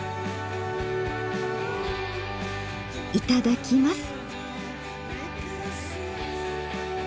いただきます。